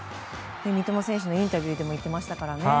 三笘選手のインタビューでも言ってましたからね。